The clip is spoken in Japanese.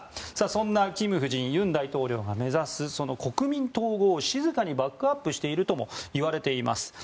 そんなキム夫人尹大統領が目指す国民統合を静かにバックアップしているともいわれています。